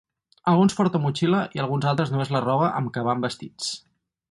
Alguns porten motxilla i alguns altres només la roba amb què van vestits.